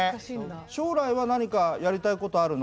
将来は何かやりたいことあるの？